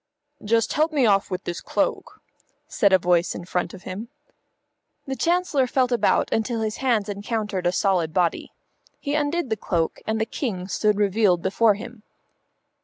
"Just help me off with this cloak," said a voice in front of him. The Chancellor felt about until his hands encountered a solid body. He undid the cloak and the King stood revealed before him.